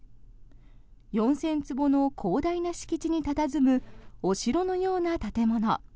４０００坪の広大な敷地に佇むお城のような建物。